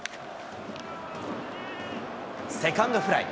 セカンドフライ。